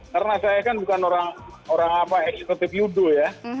karena saya kan bukan orang apa eksekutif judo ya